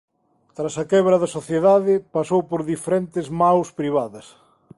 Tras a quebra da sociedade pasou por diferentes mans privadas.